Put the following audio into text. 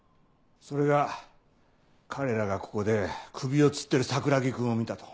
それが彼らがここで首を吊ってる桜樹君を見たと。